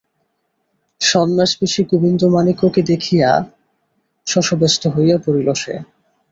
সন্ন্যাসবেশী গোবিন্দমাণিক্যকে দেখিয়া সে শশব্যস্ত হইয়া পড়িল।